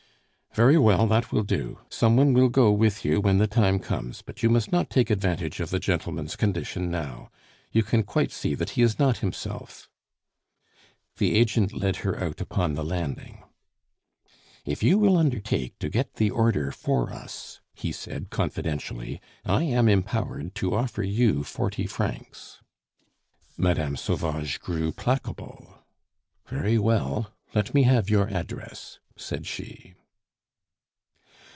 "Very well, that will do. Some one will go with you when the time comes; but you must not take advantage of the gentleman's condition now. You can quite see that he is not himself " The agent led her out upon the landing. "If you will undertake to get the order for us," he said confidentially, "I am empowered to offer you forty francs." Mme. Sauvage grew placable. "Very well, let me have your address," said she.